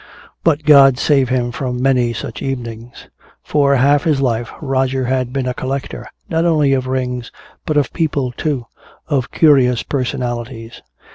But God save him from many such evenings! For half his life Roger had been a collector, not only of rings but of people, too, of curious personalities.